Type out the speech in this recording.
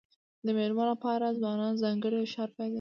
د مېلو له پاره ځوانان ځانګړي اشعار په یادوي.